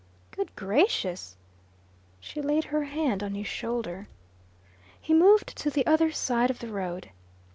"Good gracious!" She laid her hand on his shoulder. He moved to the other side of the road.